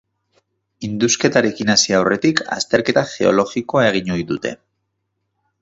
Indusketarekin hasi aurretik azterketa geologikoa egin ohi dute.